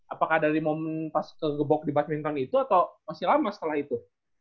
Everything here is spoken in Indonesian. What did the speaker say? apakah dari momen pas ke gebok di badminton itu atau masih lama setelah itu